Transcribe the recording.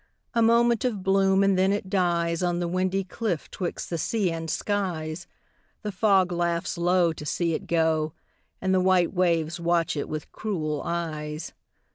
A moment of bloom, and then it dies On the windy cliff 'twixt the sea and skies. The fog laughs low to see it go, And the white waves watch it with cruel eyes.